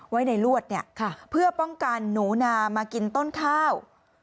ไว้ในลวดเนี่ยเพื่อป้องกันหนูนามากินต้นข้าว